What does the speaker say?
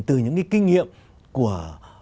từ những cái kinh nghiệm của